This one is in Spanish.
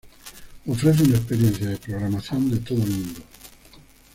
Ofrece una experiencia de programación de todo el mundo.